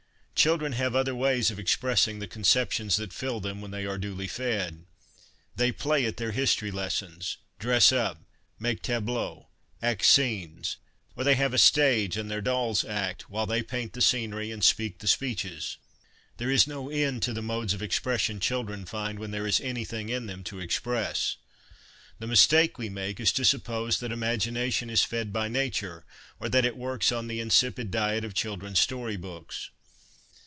Children have other ways of expressing the conceptions that fill them when they are duly fed. They play at their history lessons, dress up, make tableaux, act scenes ; or they have a stage, and their dolls act, while they paint the scenery and speak the speeches. There is no end to the modes of expression children find when there is anything in them to express. The mistake we make is to suppose that imagina tion is fed by nature, or that it works on the insipid diet of children's story books.